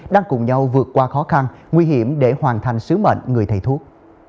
đang cùng nhau vượt qua khó khăn nguy hiểm để hoàn thành sứ mệnh người thầy thuốc